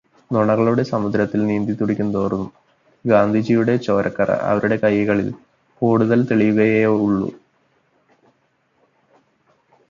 നുണകളുടെ സമുദ്രത്തിൽ നീന്തിത്തുടിക്കുന്തോറും ഗാന്ധിജിയുടെ ചോരക്കറ അവരുടെ കൈകളിൽ കൂടുതൽ തെളിയുകയേ ഉള്ളൂ.